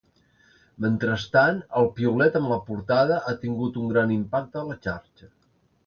Mentrestant, el piulet amb la portada ha tingut un gran impacte a la xarxa.